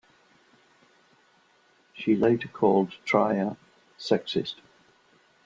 She later called Trier sexist.